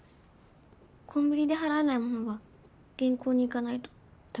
コンビニで払えないものは銀行に行かないと駄目なので。